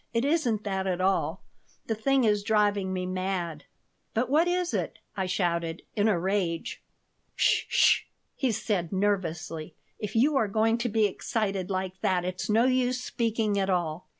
"It isn't that at all. The thing is driving me mad." "But what is it?" I shouted, in a rage "'S sh!" he said, nervously. "If you are going to be excited like that it's no use speaking at all.